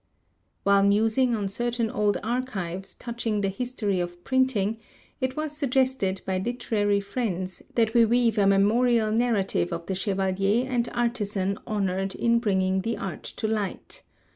While musing on certain old archives touching the history of printing, it was suggested by literary friends, that we weave a memorial narrative of the chevalier and artisan honored in bringing the art to light.